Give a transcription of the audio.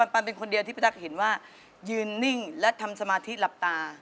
ปันเป็นคนเดียวที่พี่ตั๊กเห็นว่ายืนนิ่งและทำสมาธิหลับตา